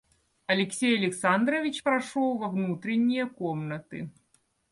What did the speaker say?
Алексей Александрович прошел во внутрение комнаты.